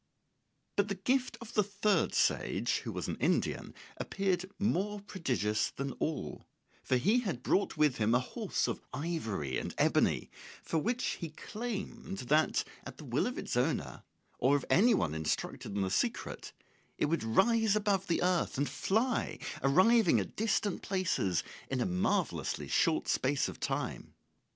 But the gift of the third sage, who was an Indian, appeared more prodigious than all, for he had brought with him a horse of ivory and ebony, for which he claimed that, at the will of its owner, or of any one instructed in the secret, it would rise above the earth and fly, arriving at distant places in a marvellously short space of time.